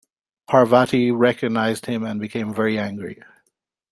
Parvati recognized him and became very angry.